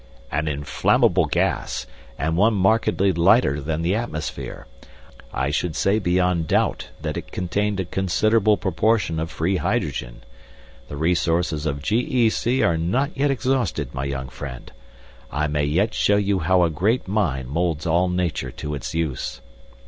"An inflammable gas, and one markedly lighter than the atmosphere. I should say beyond doubt that it contained a considerable proportion of free hydrogen. The resources of G. E. C. are not yet exhausted, my young friend. I may yet show you how a great mind molds all Nature to its use."